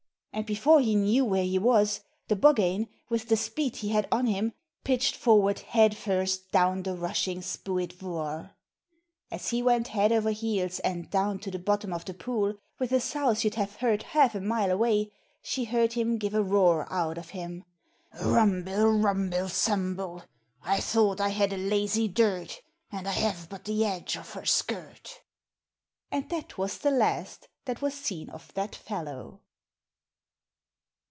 And before he knew where he was the Buggane, with the speed he had on him, pitched forward head first down the rushing Spooyt Vooar. As he went head over heels and down to the bottom of the pool with a souse you'd have heard half a mile away, she heard him give a roar out of him: Rumbyl, rumbyl, sambyl, I thought I had a lazy Dirt, And I have but the edge of her skirt. And that was the last that was seen of that fellow!